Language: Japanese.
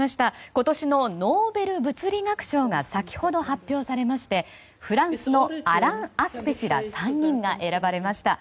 今年のノーベル物理学賞が先ほど発表されましてフランスのアラン・アスペ氏ら３人が選ばれました。